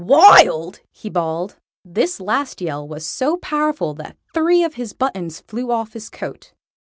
"Wild!!" he bawled. This last yell was so powerful that three of his buttons flew off his coat.